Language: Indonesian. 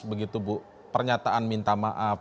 begitu bu pernyataan minta maaf